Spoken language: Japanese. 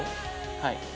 はい。